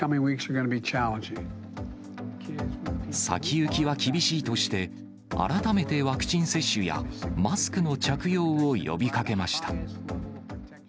先行きは厳しいとして、改めてワクチン接種やマスクの着用を呼びかけました。